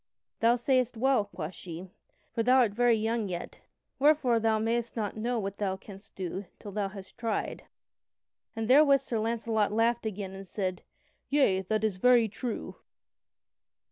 "Thou sayest well," quoth she, "for thou art very young yet, wherefore thou mayst not know what thou canst do till thou hast tried." And therewith Sir Launcelot laughed again, and said: "Yea, that is very true."